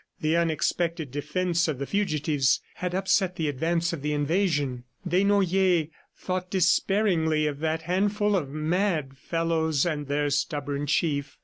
The unexpected defense of the fugitives had upset the advance of the invasion. Desnoyers thought despairingly of that handful of mad fellows and their stubborn chief.